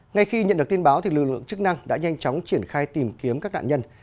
ngay khi nhận được tin báo lực lượng chức năng đã nhanh chóng triển khai tìm kiếm các nạn nhân